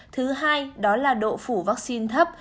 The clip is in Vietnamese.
thứ hai đó là độ phủ vaccine thấp